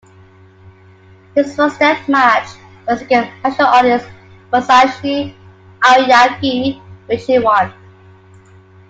His first "death match" was against martial artist Masashi Aoyagi, which he won.